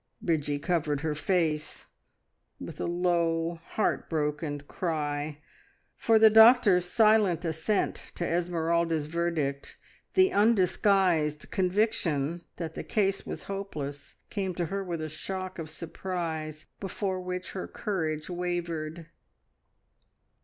Bridgie covered her face with a low, heart broken cry, for the doctor's silent assent to Esmeralda's verdict the undisguised conviction that the case was hopeless came to her with a shock of surprise before which her courage wavered.